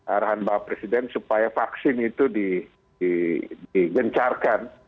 arahan bapak presiden supaya vaksin itu digencarkan